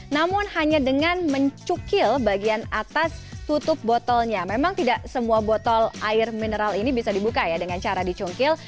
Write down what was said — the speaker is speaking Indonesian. namun hanya dengan mencukil bagian atas tutup botolnya memang tidak semua botol air mineral ini bisa dibuka ya dengan cara dicungkil